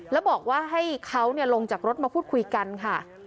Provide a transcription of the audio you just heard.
แล้วบอกว่าให้เขาลงจากรถมาพูดคุยกันค่ะ